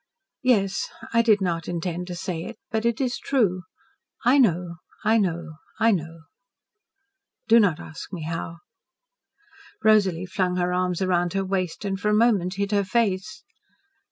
"Yes. I did not intend to say it. But it is true. I know I know I know. Do not ask me how." Rosalie flung her arms round her waist and for a moment hid her face.